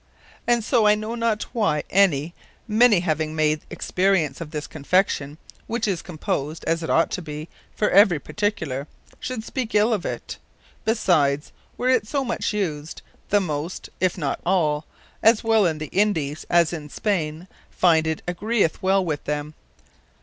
And so I know not why any many having made experience of this Confection (which is composed, as it ought to be, for every particular) should speake ill of it. Besides, where it is so much used, the most, if not all, as well in the Indies, as in Spain, finde, it agreeth well with them.